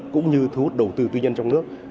cũng như thu hút đầu tư tư nhân trong nước